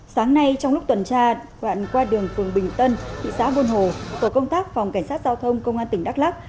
sáng nay trong lúc tuần tra đoạn qua đường phường bình tân thị xã buôn hồ tổ công tác phòng cảnh sát giao thông công an tỉnh đắk lắc